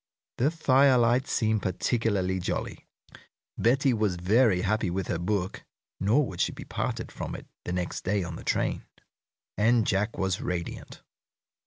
The firelight seemed particularly jolly. Betty was very happy with her book (nor would she be parted from it the next day on the train), and Jack was radiant.